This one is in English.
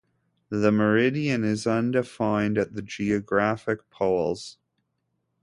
The meridian is undefined at the geographic poles.